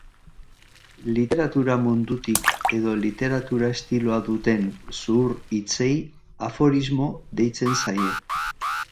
Literatura mundutik edo literatura estiloa duten zuhur-hitzei aforismo deitzen zaie.